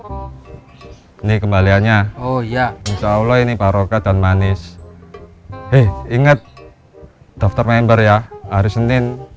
ini kembaliannya oh ya insyaallah ini paroka dan manis eh inget daftar member ya hari senin